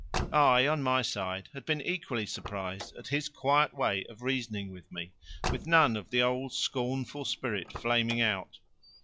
I, on my side, had been equally surprised at his quiet way of reasoning with me, with none of the old scornful spirit flaming out.